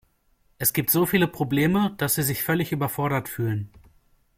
Es gibt so viele Probleme, dass sie sich völlig überfordert fühlen.